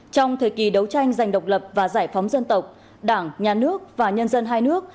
trong thời kỳ đấu tranh giành độc lập và giải phóng dân tộc đảng nhà nước và nhân dân hai nước